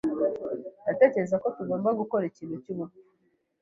Ndatekereza ko tugomba gukora ikintu cyubupfu.